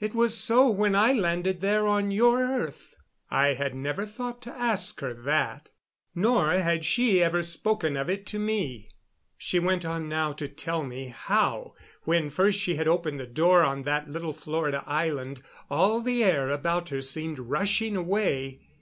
It was so when I landed there on your earth." I had never thought to ask her that, nor had she ever spoken of it to me. She went on now to tell me how, when first she had opened the door on that little Florida island, all the air about her seemed rushing away.